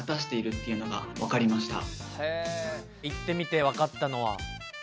行ってみて分かったのは？